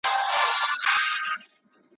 زما د قبر سر ته ارغوان به غوړېدلی وي `